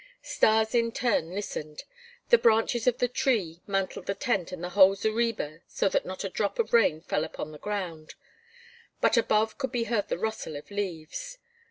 Stas in turn listened. The branches of the tree mantled the tent and the whole zareba so that not a drop of rain fell upon the ground, but above could be heard the rustle of leaves.